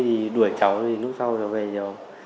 thì đuổi cháu lúc sau cháu về nhau